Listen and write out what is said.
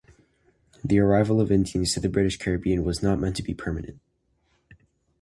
The arrival of Indians to the British Caribbean was not meant to be permanent.